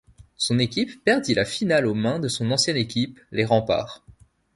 Son équipe perdit la finale aux mains de son ancienne équipe, les Remparts.